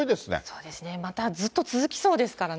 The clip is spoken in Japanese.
そうですね、またずっと続きそうですからね。